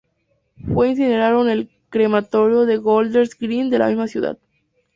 Fue incinerado en el Crematorio de Golders Green de la misma ciudad.